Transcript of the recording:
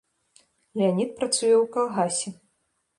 Леанід працуе ў калгасе.